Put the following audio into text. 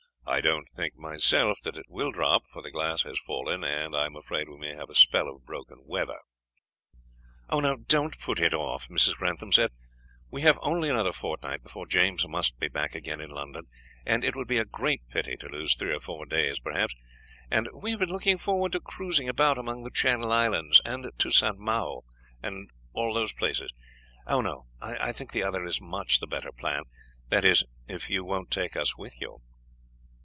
I don't think myself that it will drop, for the glass has fallen, and I am afraid we may have a spell of broken weather." "Oh, no; don't put it off," Mrs. Grantham said; "we have only another fortnight before James must be back again in London, and it would be a great pity to lose three or four days perhaps; and we have been looking forward to cruising about among the Channel Islands, and to St. Mao, and all those places. Oh, no; I think the other is much the better plan that is if you won't take us with you."